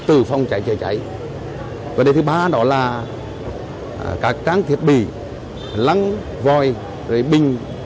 từ phòng cháy chữa cháy vấn đề thứ ba đó là các trang thiết bị lăng vòi bình